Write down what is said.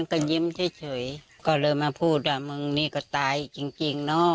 ตายพ่อลูกแท้